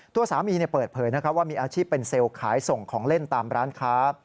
ตัวสามีเปิดเผยว่ามีอาชีพเป็นเซลล์ขายส่งของเล่นตามร้านค้า